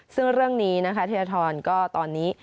ซึ่งเรื่องนี้นะคะเทียทรก็ตอนนี้